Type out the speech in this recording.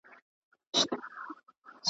نور ګلاب ورڅخه تللي، دی یوازي غوړېدلی .